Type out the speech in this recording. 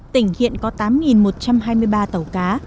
tỉnh hiện có tám một trăm hai mươi ba tàu cá